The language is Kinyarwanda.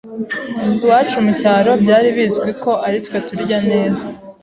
iwacu mu cyaro byari bizwi ko ari twe turya neza